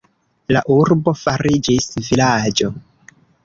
La urbo fariĝis vilaĝo.